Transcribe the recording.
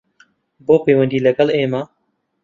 بۆ پەیوەندی لەگەڵ ئێمە